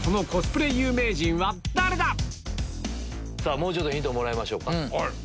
もうちょっとヒントもらいましょうか。